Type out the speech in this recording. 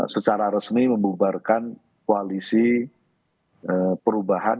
secara resmi membubarkan koalisi perubahan